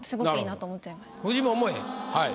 はい。